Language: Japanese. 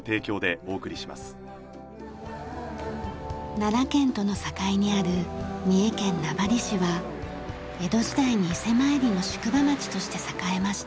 奈良県との境にある三重県名張市は江戸時代に伊勢参りの宿場町として栄えました。